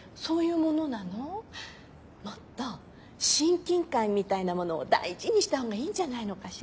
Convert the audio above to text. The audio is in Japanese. もっと親近感みたいなものを大事にしたほうがいいんじゃないのかしら。